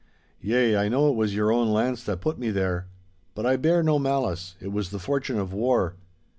Yea, I know it was your own lance that put me there. But I bear no malice, it was the fortune of war.